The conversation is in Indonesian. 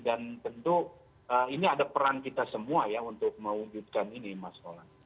dan tentu ini ada peran kita semua ya untuk mewujudkan ini mas